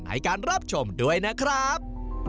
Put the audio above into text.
ในการรับชมด้วยนะครับ